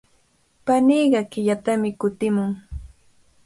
Paniiqa killatami kutimun.